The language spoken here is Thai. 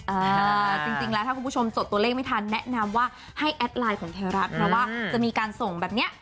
จริงแล้วถ้าคุณผู้ชมสดตัวเลขไม่ทันแนะนำว่าให้แอดไลน์ของไทยรัฐเพราะว่าจะมีการส่งแบบเนี้ย